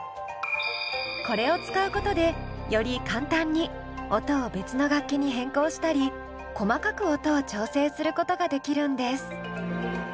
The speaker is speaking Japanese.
これを使うことでより簡単に音を別の楽器に変更したり細かく音を調整することができるんです。